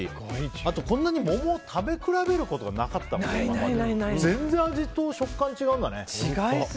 あと、こんなに桃を食べ比べることがなかったので全然味と食感違うんだね。